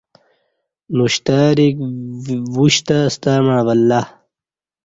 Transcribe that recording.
ن شتریک وشتہ ا ستمع ولہّ